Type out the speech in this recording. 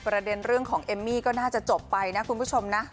ประเด็นเรื่องของเอมมี่ก็น่าจะจบไปนะคุณผู้ชมนะ